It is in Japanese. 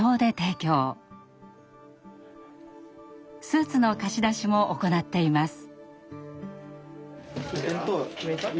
スーツの貸し出しも行っています。